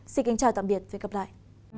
xin kính chào tạm biệt và hẹn gặp lại